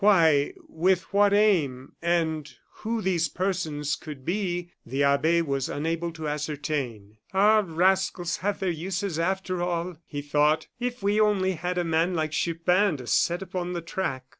Why, with what aim, and who these persons could be the abbe was unable to ascertain. "Ah! rascals have their uses after all," he thought. "If we only had a man like Chupin to set upon the track!"